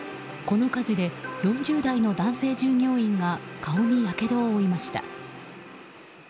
この火事で４０代の男性従業員が顔にやけどを負いました。